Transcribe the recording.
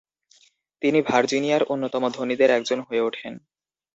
তিনি ভার্জিনিয়ার অন্যতম ধনীদের একজন হয়ে ওঠেন।